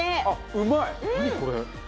あっうまい。